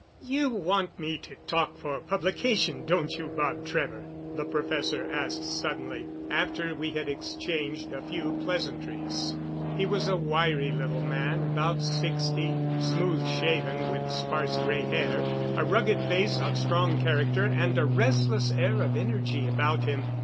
"You want me to talk for publication, don't you, Bob Trevor?" the professor asked suddenly, after we had exchanged a few pleasantries. He was a wiry little man, about sixty, smooth shaven, with sparse gray hair, a rugged face of strong character, and a restless air of energy about him.